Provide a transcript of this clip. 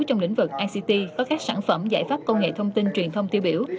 trong lĩnh vực ict và các sản phẩm giải pháp công nghệ thông tin truyền thông tiêu biểu